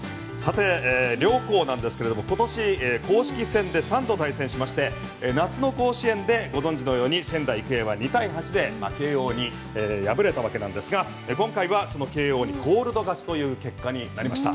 両校なんですけれども今年公式戦で対戦しまして夏の甲子園でご存知のように仙台育英は２対８で慶応に敗れたわけなんですが今回はその慶応にコールド勝ちという結果になりました。